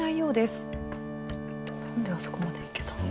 なんであそこまで行けたんだろう？